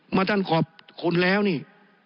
เมื่อท่านขอบคุณแล้วนี่